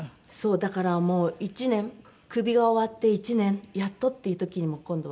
だからもう１年首が終わって１年やっとっていう時に今度はまた。